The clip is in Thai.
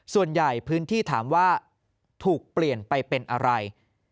ส่วนใหญ่พื้นที่ถามว่าถูกเปลี่ยนไปเป็นอะไร